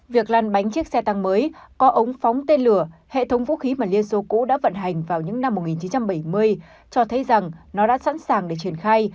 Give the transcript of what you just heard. việc lăn bánh chiếc xe tăng mới có ống phóng tên lửa hệ thống vũ khí mà liên xô cũ đã vận hành vào những năm một nghìn chín trăm bảy mươi cho thấy rằng nó đã sẵn sàng để triển khai